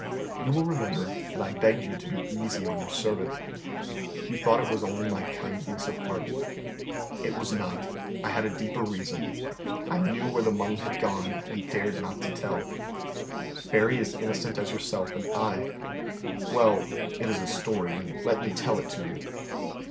You will remember that I begged you to be easy on your servant. You thought it was only my kindness of heart. It was not; I had a deeper reason. I knew where the money had gone and dared not tell. Berry is as innocent as yourself and I well, it is a story, and let me tell it to you.